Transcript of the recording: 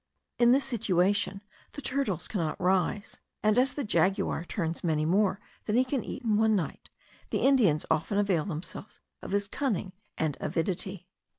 In this situation the turtles cannot rise; and as the jaguar turns many more than he can eat in one night, the Indians often avail themselves of his cunning and avidity.